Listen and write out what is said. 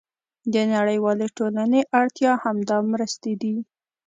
د نړیوالې ټولنې اړتیا همدا مرستې دي.